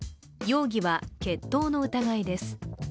容疑は決闘の疑いです。